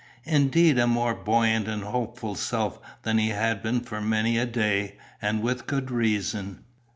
Indeed a more buoyant and hopeful self than he had been for many a day, and with good reason.